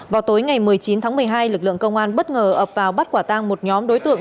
vào tối ngày một mươi chín tháng một mươi hai lực lượng công an bất ngờ ập vào bắt quả tang một nhóm đối tượng